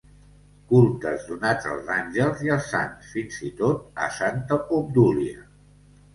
Cultes donats als àngels i als sants, fins i tot a santa Obdúlia.